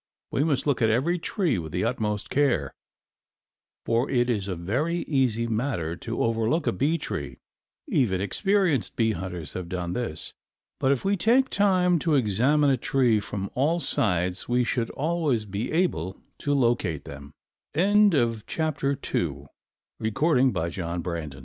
We must look at every tree with the utmost care, for it is a very easy matter to overlook a bee tree, even experienced bee hunters have done this. But if we take time to examine a tree from all sides we should always be able to locate them. CHAPTER III. BEES WATERING. HOW TO FIND TH